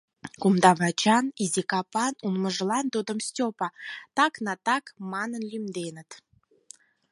Кумда вачан, изи капан улмыжлан тудым Стёпа Так-на-Так манын лӱмденыт.